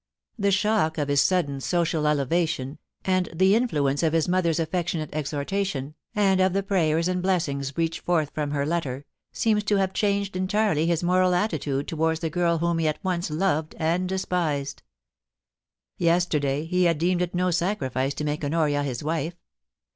The shock of his 22 338 POLICY AND PASSION. sudden social elevation, and the influence of his mother's affectionate exhortation, and of the prayers and blessings breathed forth from her letter, seemed to have changed entirely his moral attitude towards the girl whom he at once loved and despised Yesterday, he had deemed it no sacrifice to make Honoria his wife.